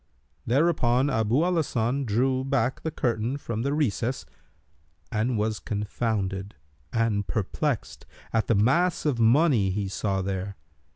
Thereupon Abu al Hasan drew back the curtain from the recess and was confounded and perplexed at the mass of money he saw there.